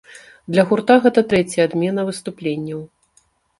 Для гурта гэта трэцяя адмена выступленняў.